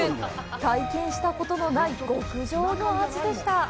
体験したことのない極上の味でした！